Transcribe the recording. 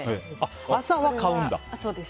朝は買うんだ。